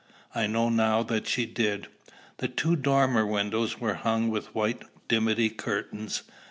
I know now that she did. The two dormer windows were hung with white dimity curtains.